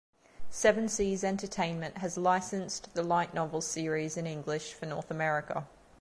Seven Seas Entertainment has licensed the light novel series in English for North America.